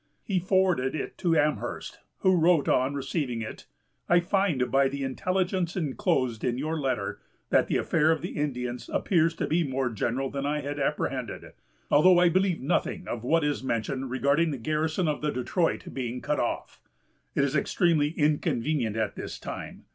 He forwarded it to Amherst, who wrote on receiving it: "I find by the intelligence enclosed in your letter that the affair of the Indians appears to be more general than I had apprehended, although I believe nothing of what is mentioned regarding the garrison of the Detroit being cut off. It is extremely inconvenient at this time